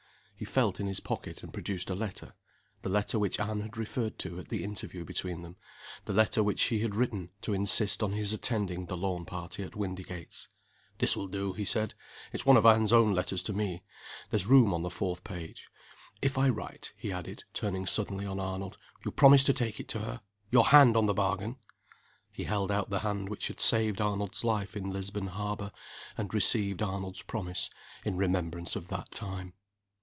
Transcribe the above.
He felt in his pocket, and produced a letter the letter which Anne had referred to at the interview between them the letter which she had written to insist on his attending the lawn party at Windygates. "This will do," he said. "It's one of Anne's own letters to me. There's room on the fourth page. If I write," he added, turning suddenly on Arnold, "you promise to take it to her? Your hand on the bargain!" He held out the hand which had saved Arnold's life in Lisbon Harbor, and received Arnold's promise, in remembrance of that time.